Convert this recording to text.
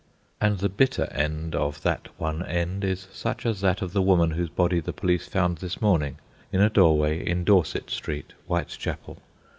And the bitter end of that one end is such as that of the woman whose body the police found this morning in a doorway in Dorset Street, Whitechapel.